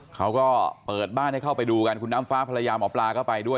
เขาก็เปิดบ้านให้เข้าไปดูกันคุณน้ำฟ้าภรรยาหมอปลาก็ไปด้วย